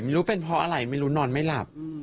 รู้เป็นเพราะอะไรไม่รู้นอนไม่หลับ